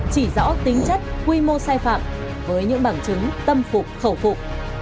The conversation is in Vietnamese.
chỉ rõ tính chất quy mô sai phạm với những bằng chứng tâm phục khẩu phụ